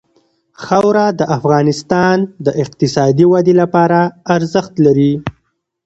خاوره د افغانستان د اقتصادي ودې لپاره ارزښت لري.